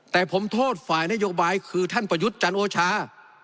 แต่ผมโทษฝ่ายนโยบายคือท่านประยุทธ์จันโอชา